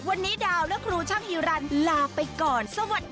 วันนี้ดาวและครูช่างฮีรันทร์ลาไปก่อน